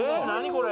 これ。